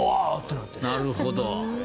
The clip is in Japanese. なるほど。